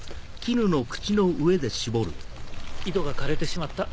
井戸が枯れてしまった。